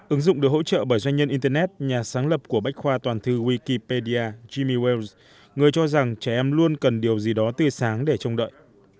ứng dụng được hỗ trợ bởi doanh nhân internet nhà sáng lập của bách khoa toàn thư wikipedia jimi wells người cho rằng trẻ em luôn cần điều gì đó tươi sáng để trông đợi